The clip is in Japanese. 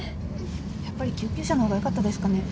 やっぱり救急車の方がよかったですかね。